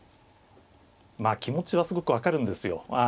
気持ちはすごく分かるんですよ。